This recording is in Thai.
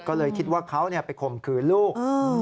ก็เลยคิดว่าเขาไปข่มขืนลูก